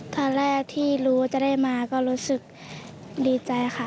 ตอนแรกที่รู้จะได้มาก็รู้สึกดีใจค่ะ